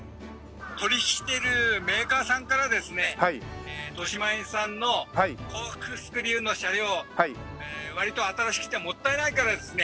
「取引してるメーカーさんからですねとしまえんさんのコークスクリューの車両割と新しくてもったいないからですね